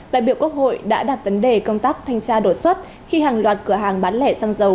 đại biểu quốc hội đã đặt vấn đề công tác thanh tra đột xuất khi hàng loạt cửa hàng bán lẻ xăng dầu